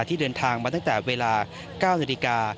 ที่เดินทางมาตั้งแต่เวลา๙นาฬิกา